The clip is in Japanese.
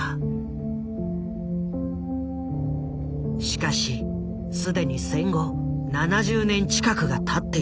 しかし既に戦後７０年近くがたっていた。